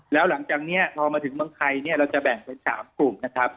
แล้วหลังจากนี้พอมาถึงเมืองไทยเนี่ยเราจะแบ่งเป็น๓กลุ่มนะครับ